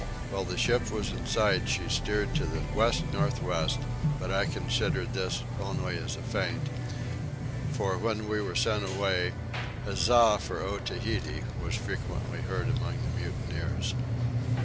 While the ship was in sight she steered to the west north west, but I considered this only as a feint; for when we were sent away "Huzza for Otaheite" was frequently heard among the mutineers.